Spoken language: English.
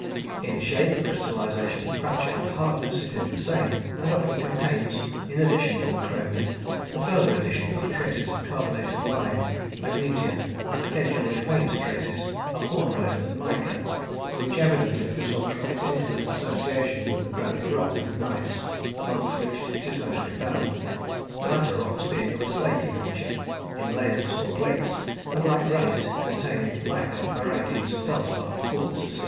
In shape, crystallisation, fracture and hardness, it is the same, and often contains, in addition to the chromium, the further addition of traces of carbonate of lime, magnesia, and occasionally faint traces of hornblende and mica, which evidently result from its intimate association with the granite rock and gneiss, amongst which it is mostly found, the latter rocks being of a slaty nature, in layers or plates, and, like granite, containing mica, pyrites, felspar, quartz, etc.